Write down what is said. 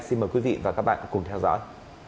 xin mời quý vị và các bạn cùng theo dõi